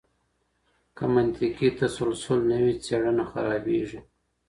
که منطقي تسلسل نه وي څېړنه خرابیږي.